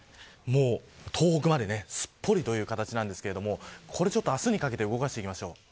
東北まですっぽりという形ですが明日にかけて動かしていきます。